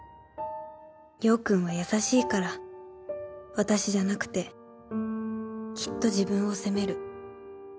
陽くんは優しいから、私じゃなくてきっと自分を責める。